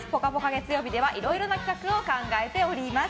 月曜日ではいろんな企画を考えております。